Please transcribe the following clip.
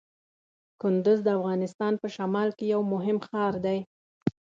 کندز د افغانستان په شمال کې یو مهم ښار دی.